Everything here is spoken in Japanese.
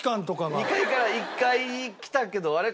２階から１階来たけどあれ？